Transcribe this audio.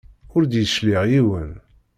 Ur d-yecliɛ yiwen.